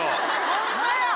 ホンマや。